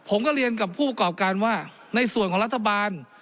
ผมก็เรียนกับผู้ประกอบการว่าในส่วนของรัฐบาล